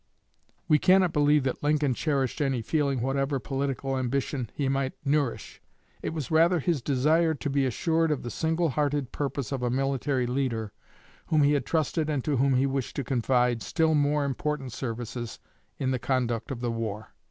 '" We cannot believe that Lincoln cherished any feeling of jealousy of the rising commander, or desired to interfere with whatever political ambition he might nourish. It was rather his desire to be assured of the single hearted purpose of a military leader whom he had trusted and to whom he wished to confide still more important services in the conduct of the war.